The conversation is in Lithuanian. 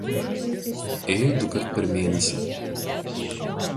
Ėjo dukart per mėnesį.